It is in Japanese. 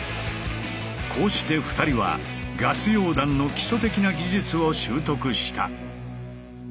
こうして２人はガス溶断の基礎的な技術を習得した。